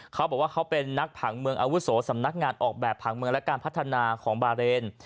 เขาบอกว่าเขาเป็นนักผังเมืองอาวุโสสำนักงานออกแบบผังเมืองและการพัฒนาของบาเรน